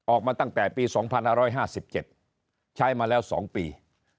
ออกมาตั้งแต่ปี๒๕๕๗ใช้มาแล้ว๒ปี